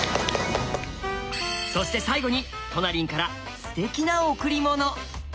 そして最後にトナリンからすてきな贈り物。